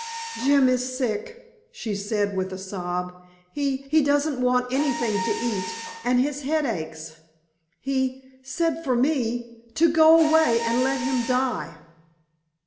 "Jim is sick," she said, with a sob. "He he doesn't want anything to eat, and his head aches. He said for me to go away and let him die!"